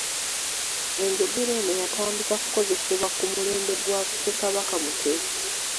Enjogera eno yatandika kukozesebwa ku mulembe gwa Ssekabaka Muteesa.